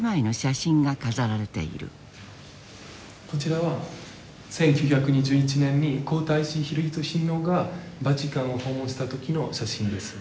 こちらは１９２１年に皇太子裕仁親王がバチカンを訪問した時の写真です。